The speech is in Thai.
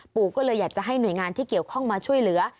ปู่ก็เลยอยากจะให้หน่วยงานที่เกี่ยวข้องมาช่วยเหลือ